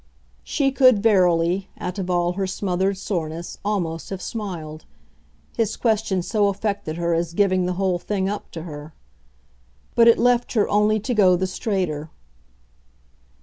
She could verily, out of all her smothered soreness, almost have smiled: his question so affected her as giving the whole thing up to her. But it left her only to go the straighter.